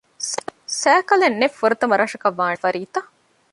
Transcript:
ސައިކަލެއް ނެތް ފުރަތަމަ ރަށަކަށް ވާނީ ކުޑަފަރީތަ؟